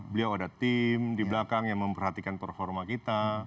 beliau ada tim di belakang yang memperhatikan performa kita